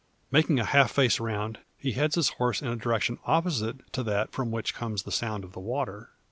Making a half face round, he heads his horse in a direction opposite to that from which comes the sound of the water.